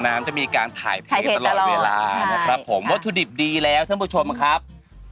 น้ำจะมีการถ่ายเทตลอดเวลานะครับผมวัตถุดิบดีแล้วท่านผู้ชมครับ